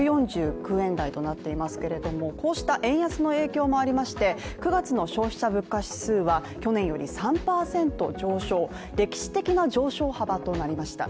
１４９円台となっていますけれどもこうした円安の影響もありまして９月の消費者物価指数は去年より３％上昇、歴史的な上昇幅となりました。